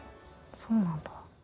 そうなんだ。